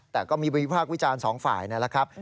แต่ก็มีวิภาควิจารณ์๒ฝ่ายนี่แหละครับ